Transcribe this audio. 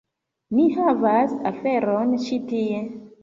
Ni havas aferon ĉi tie.